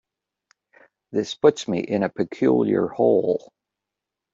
This puts me in a peculiar hole.